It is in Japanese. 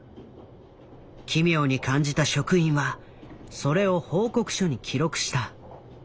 奇妙に感じた職員はそれを報告書に記録した。